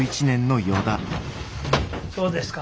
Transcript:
どうですか？